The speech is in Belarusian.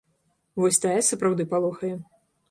Вось тая сапраўды палохае.